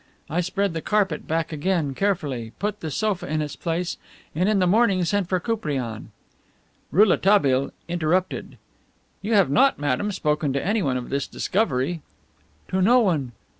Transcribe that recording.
I spread the carpet back again carefully, put the sofa in its place, and in the morning sent for Koupriane." Rouletabille interrupted. "You had not, madame, spoken to anyone of this discovery?" "To no one."